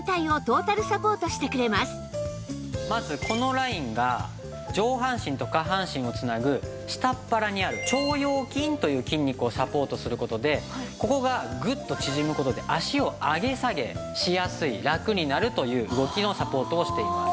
まずこのラインが上半身と下半身を繋ぐ下っ腹にある腸腰筋という筋肉をサポートする事でここがグッと縮む事で脚を上げ下げしやすいラクになるという動きのサポートをしています。